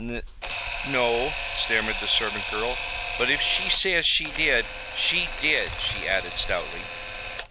"N no," stammered the servant girl. "But if she says she did, she did," she added stoutly.